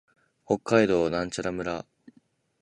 北海道更別村